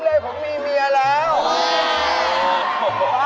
เลยผมมีเมียแล้ว